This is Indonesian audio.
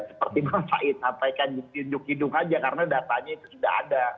seperti bang said sampaikan hidung hidung aja karena datanya itu sudah ada